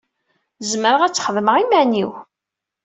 Zemreɣ ad t-xedmeɣ iman-iw.